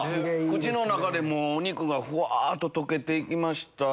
口の中でお肉がふわっと溶けて行きました。